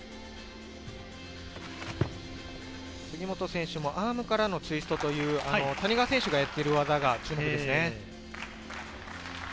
杉本選手もアームからのツイストという谷川選手がやっている技が注目ですね。